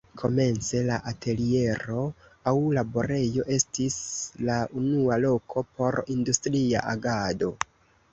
Komence la ateliero aŭ laborejo estis la unua loko por industria agado.